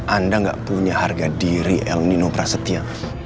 anda gak punya harga diri al nino prasetya